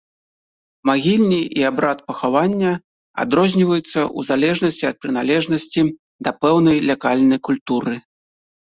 Магільні і абрад пахавання адрозніваюцца ў залежнасці ад прыналежнасці да пэўнай лакальнай культуры.